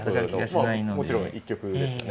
もちろん一局ですよね